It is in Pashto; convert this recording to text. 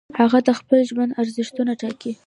هغه د خپل ژوند ارزښتونه ټاکي.